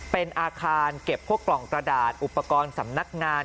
เป็นอาคารเก็บพวกกล่องกระดาษอุปกรณ์สำนักงาน